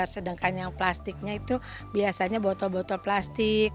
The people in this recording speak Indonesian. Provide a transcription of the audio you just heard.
sedangkan yang plastiknya itu biasanya botol botol plastik